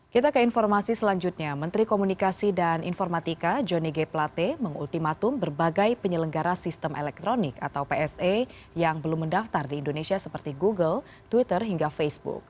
kita ke informasi selanjutnya menteri komunikasi dan informatika johnny g plate mengultimatum berbagai penyelenggara sistem elektronik atau pse yang belum mendaftar di indonesia seperti google twitter hingga facebook